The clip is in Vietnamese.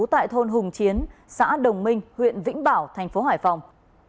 tại thôn hùng chiến xã đồng minh huyện vĩnh bảo tp hải phòng